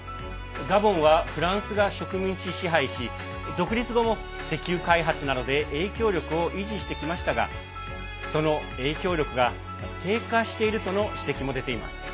ガボンはフランスが植民地支配し独立後も、石油開発などで影響力を維持してきましたがその影響力が低下しているとの指摘も出ています。